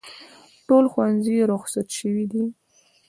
ټول ښوونځي روخصت شوي دي